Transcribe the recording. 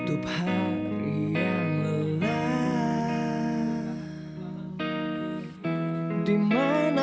oh terus berjalan